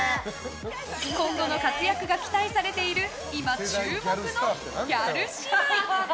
今後の活躍が期待されている今、注目のギャル姉妹。